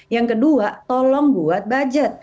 yang kedua tolong buat budget